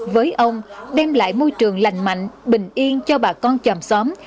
với ông đem lại môi trường lành mạnh bình yên cho bà con chàm xóm